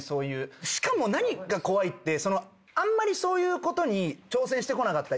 しかも何が怖いってあんまりそういうことに挑戦してこなかった。